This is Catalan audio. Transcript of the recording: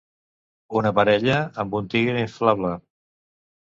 Una parella amb un tigre inflable.